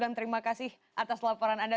dan terima kasih atas laporan anda